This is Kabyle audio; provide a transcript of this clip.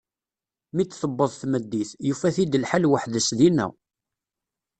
Mi d-tewweḍ tmeddit, yufa-t-id lḥal weḥd-s dinna.